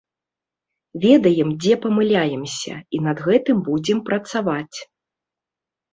Ведаем, дзе памыляемся, і над гэтым будзем працаваць.